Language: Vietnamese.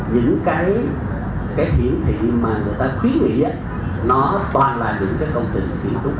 những cái hiển thị mà người ta khuyến nghị nó toàn là những công trình kỹ thuật